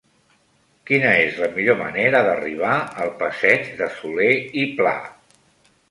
Quina és la millor manera d'arribar al passeig de Solé i Pla?